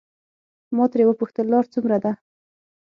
ما ترې وپوښتل لار څومره ده.